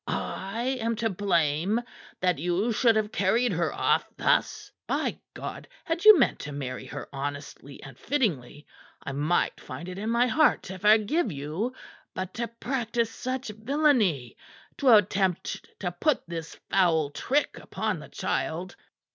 "I am to blame that you should have carried her off thus? And by God! had you meant to marry her honestly and fittingly, I might find it in my heart to forgive you. But to practice such villainy! To attempt to put this foul trick upon the child!"